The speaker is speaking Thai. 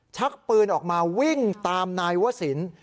ชักปืนออกมาวิ่งตามนายวศิลป์